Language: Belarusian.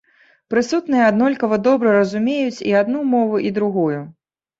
Прысутныя аднолькава добра разумець і адну мову, і другую.